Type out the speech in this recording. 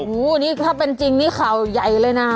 โอ้โหนี่ถ้าเป็นจริงนี่ข่าวใหญ่เลยนะ